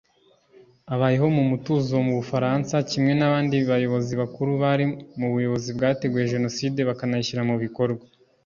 abayeho mu mutuzo mu Bufaransa kimwe n’abandi bayobozi bakuru bari mu buyobozi bwateguye Jenoside bakanayishyira mu bikorwa